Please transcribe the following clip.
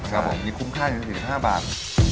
ครับผมมีคุ้มค่าอยู่๑๕บาท